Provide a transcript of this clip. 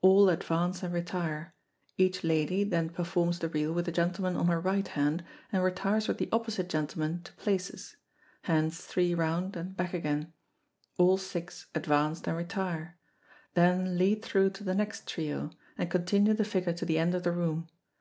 All advance and retire each lady then performs the reel with the gentleman on her right hand, and retires with the opposite gentleman to places hands three round and back again all six advance and retire then lead through to the next trio, and continue the figure to the end of the room.